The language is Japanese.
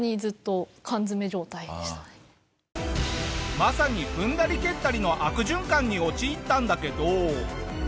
まさに踏んだり蹴ったりの悪循環に陥ったんだけど。